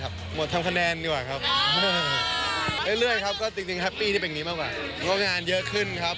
คนเรามันไม่มีเพอร์เฟคนะครับก็ต้องใช้เวลาไปเรื่อยครับ